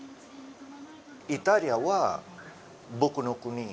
イタリアは僕の国。